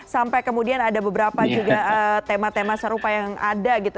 sampai kemudian ada beberapa juga tema tema serupa yang ada gitu